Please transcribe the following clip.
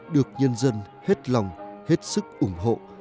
được nhân dân hết lòng hết sức ủng hộ